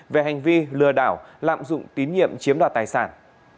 về hành vi lừa đảo lạm dụng tín nhiệm chiếm đoạt tài sản